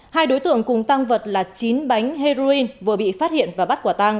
hai đối tượng cùng tăng vật là chín bánh heroin vừa bị phát hiện và bắt quả tăng